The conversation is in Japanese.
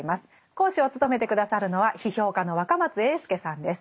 講師を務めて下さるのは批評家の若松英輔さんです。